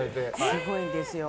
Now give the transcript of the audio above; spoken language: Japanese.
すごいんですよ。